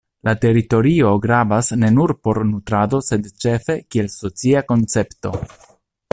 La teritorio gravas ne nur por nutrado sed ĉefe kiel socia koncepto.